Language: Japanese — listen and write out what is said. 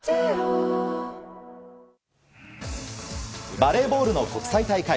バレーボールの国際大会。